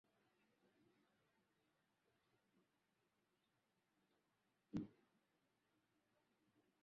Anaweza kuzaa watoto saba ingawa anaweza kuzaa mapacha lakini huwa ni nadra kutokea